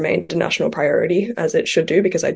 masih menjadi prioritas nasional seperti seharusnya